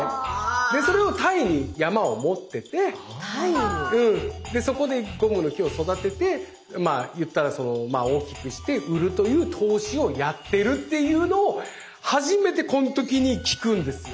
でそれをタイに山をもっててそこでゴムの木を育ててまあ言ったら大きくして売るという投資をやってるっていうのを初めてこの時に聞くんですよ。